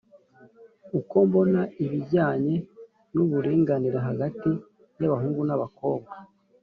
uko mbona ibijyanye n’uburinganire hagati y’abahungu n’abakobwa,